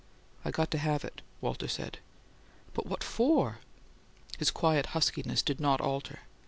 "I got to have it," Walter said. "But what FOR?" His quiet huskiness did not alter.